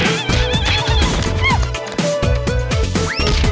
renden ga boleh kalah